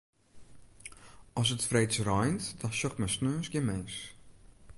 As it freeds reint, dan sjocht men sneons gjin mins.